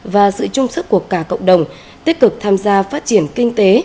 và giữ chung sức của cả cộng đồng tích cực tham gia phát triển kinh tế